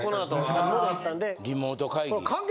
・リモート会議。